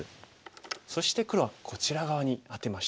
そして黒はこちら側にアテました。